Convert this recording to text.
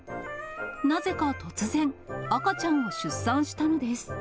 なぜか突然、赤ちゃんを出産したのです。